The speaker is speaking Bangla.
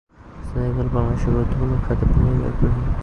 সেনেগাল বাংলাদেশের গুরুত্বপূর্ণ খাতে বিনিয়োগে আগ্রহী।